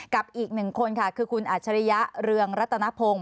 กับอีกหนึ่งคนค่ะคือคุณอัจฉริยะเรืองรัตนพงศ์